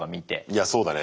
いやそうだね。